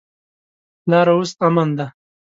لاره اوس امن ده.